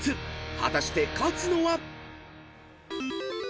果たして勝つのは？］